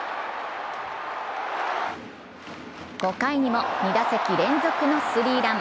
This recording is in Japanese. ５回にも２打席連続のスリーラン。